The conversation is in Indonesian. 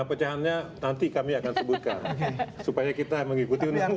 nah pecahannya nanti kami akan sebutkan supaya kita mengikuti undang undang